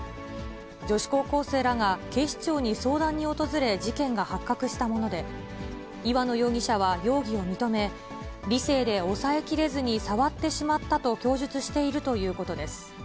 女子高校生らが警視庁に相談に訪れ、事件が発覚したもので、岩野容疑者は容疑を認め、理性で抑えきれずに触ってしまったと供述しているということです。